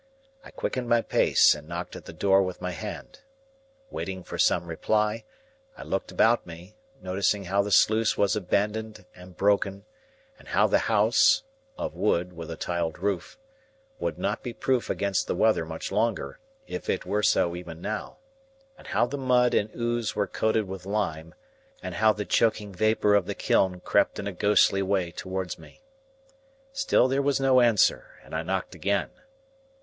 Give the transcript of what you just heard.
I quickened my pace, and knocked at the door with my hand. Waiting for some reply, I looked about me, noticing how the sluice was abandoned and broken, and how the house—of wood with a tiled roof—would not be proof against the weather much longer, if it were so even now, and how the mud and ooze were coated with lime, and how the choking vapour of the kiln crept in a ghostly way towards me. Still there was no answer, and I knocked again.